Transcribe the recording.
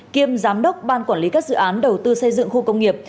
kiêm giám đốc ban quản lý các dự án đầu tư xây dựng khu công nghiệp